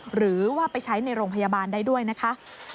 หรือว่าไปใช้ในโรงพยาบาลได้ด้วยนะคะ